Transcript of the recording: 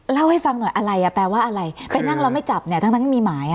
เล่าให้ฟังหน่อยอะไรอ่ะแปลว่าอะไรไปนั่งแล้วไม่จับเนี่ยทั้งมีหมาย